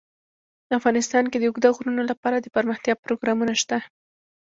افغانستان کې د اوږده غرونه لپاره دپرمختیا پروګرامونه شته.